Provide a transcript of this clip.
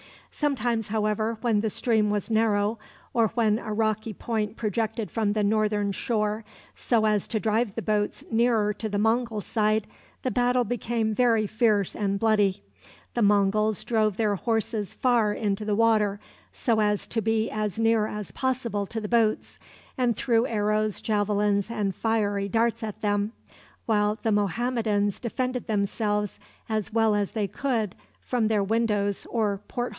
Sometimes, however, when the stream was narrow, or when a rocky point projected from the northern shore, so as to drive the boats nearer to the Mongul side, the battle became very fierce and bloody. The Monguls drove their horses far into the water, so as to be as near as possible to the boats, and threw arrows, javelins, and fiery darts at them, while the Mohammedans defended themselves as well as they could from their windows or port holes.